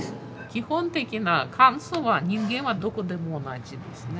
基本的な感想は人間はどこでも同じですね。